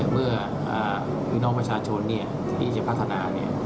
เมื่อพี่น้องประชาชนที่จะพัฒนา